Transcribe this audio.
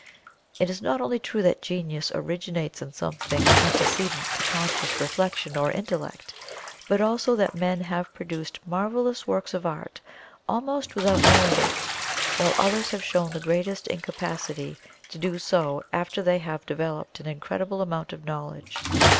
It is not only true that Genius originates in something antecedent to conscious reflection or intellect, but also that men have produced marvelous works of art almost without knowing it, while others have shown the greatest incapacity to do so after they had developed an incredible amount of knowledge.